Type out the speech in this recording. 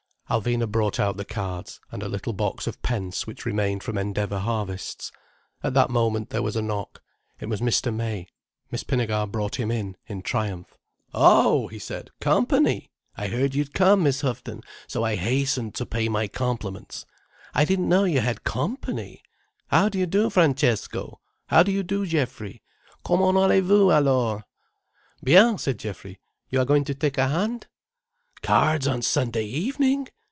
Alvina brought out the cards, and a little box of pence which remained from Endeavour harvests. At that moment there was a knock. It was Mr. May. Miss Pinnegar brought him in, in triumph. "Oh!" he said. "Company! I heard you'd come, Miss Houghton, so I hastened to pay my compliments. I didn't know you had company. How do you do, Francesco! How do you do, Geoffrey. Comment allez vous, alors?" "Bien!" said Geoffrey. "You are going to take a hand?" "Cards on Sunday evening!